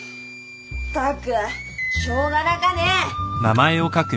ったくしょうがなかね。